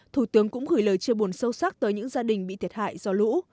thủ tướng cũng gửi lời chia buồn sâu sắc tới những gia đình bị thiệt hại do lũ